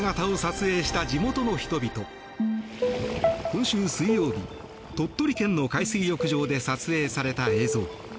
今週水曜日、鳥取県の海水浴場で撮影された映像。